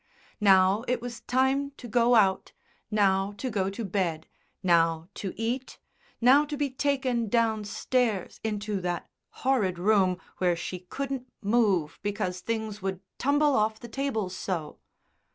Now it was time to go out, now to go to bed, now to eat, now to be taken downstairs into that horrid room where she couldn't move because things would tumble off the tables so